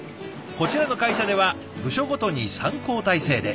こちらの会社では部署ごとに３交代制で。